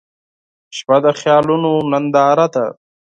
• شپه د خیالونو ننداره ده.